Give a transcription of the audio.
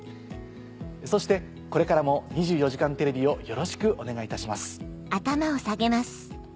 そしてこれからも『２４時間テレビ』をよろしくお願いいたします。